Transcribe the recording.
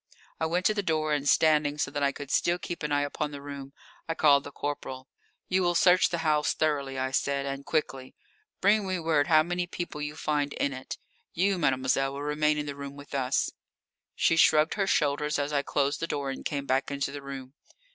I went to the door, and standing so that I could still keep an eye upon the room, I called the corporal. "You will search the house thoroughly," I said, "and quickly. Bring me word how many people you find in it. You, mademoiselle, will remain in the room with us." She shrugged her shoulders as I closed the door and came back into the room.